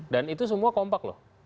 dan itu semua kompak loh